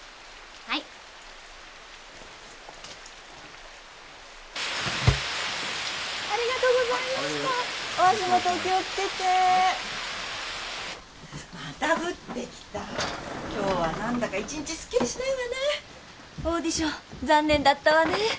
はいありがとうございましたお足元お気をつけてまた降ってきた今日は何だか一日すっきりしないわねオーディション残念だったわね